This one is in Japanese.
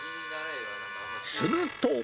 すると。